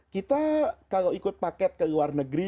kita kalau ikut paket ke luar negeri